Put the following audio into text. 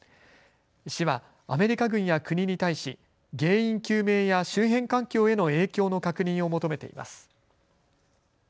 市はアメリカ軍や国に対し原因究明や周辺環境への影響の確認を求めています。